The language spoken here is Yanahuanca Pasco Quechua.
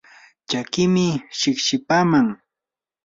chakiimi shiqshipaaman